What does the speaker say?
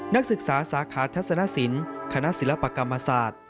นักศึกษาสาขาทัศนสินคณะศิลปกรรมศาสตร์